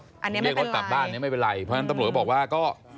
อันนี้ไม่เป็นไรเรียกรถกลับบ้านนี้ไม่เป็นไรเพราะฉะนั้นตำรวจบอกว่าก็